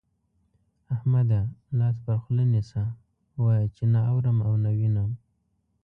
احمده! لاس پر خوله نيسه، وايه چې نه اورم او نه وينم.